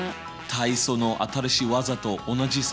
体操の新しい技と同じさ。